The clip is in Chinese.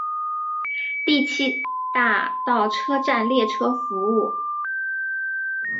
第七大道车站列车服务。